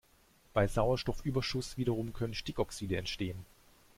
Bei Sauerstoffüberschuss wiederum können Stickoxide entstehen.